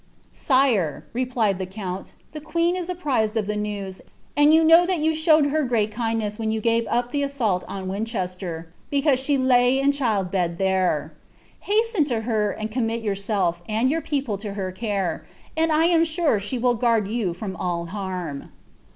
*» Sire," replied the count, " the queen is apprised of the nem, ml you know that you showed her great kindness when you gave dp ttw BAMiilt on Winchester, because she lay in cliildbed there. Hasten to her, and commit yourself and your people to her care, and [ am sure *i» will guard you from all harm."